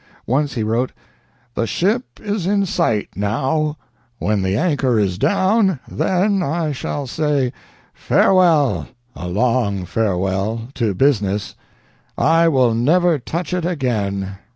Once he wrote: "The ship is in sight now .... When the anchor is down, then I shall say: Farewell a long farewell to business! I will never touch it again!